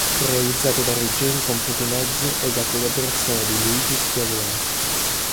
Fu realizzato da Ruggeri con pochi mezzi e la collaborazione di Luigi Schiavone.